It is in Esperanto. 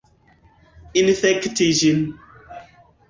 Infekti ĝin!